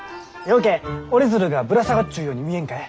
うけ折り鶴がぶら下がっちゅうように見えんかえ？